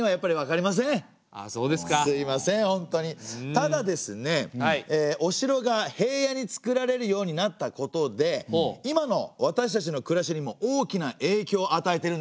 ただですねお城が平野につくられるようになったことで今の私たちの暮らしにも大きなえいきょうを与えてるんですね。